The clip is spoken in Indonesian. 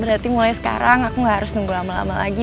berarti mulai sekarang aku gak harus nunggu lama lama lagi